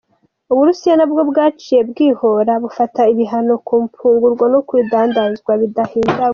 Uburusiya nabwo bwaciye bwihora bufata ibihano ku mfungurwa no ku bidandazwa bidahinguye.